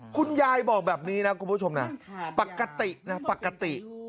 คุณยายบอกแบบนี้นะคุณผู้ชมนะปกตินะปกติ